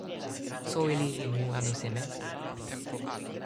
soweli li mu anu seme?